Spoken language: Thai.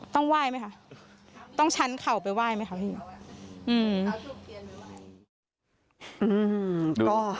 ต้องว่ายไหมคะต้องชั้นเข่าไปว่ายไหมคะ